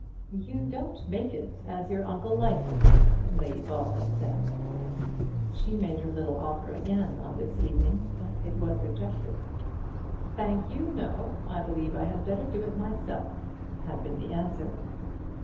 "You don't make it as your uncle likes it," Lady Ball had said. She made her little offer again on this evening, but it was rejected. "Thank you, no; I believe I had better do it myself," had been the answer.